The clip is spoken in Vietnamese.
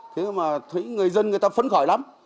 thế mà thấy người dân người ta phấn khởi lắm